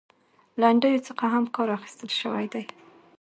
لنډيو څخه هم کار اخيستل شوى دى .